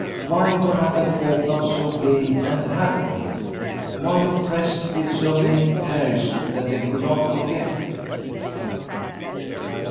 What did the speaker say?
Why were other folk not so gay and happy? Why oppressed with so many cares that they could not forget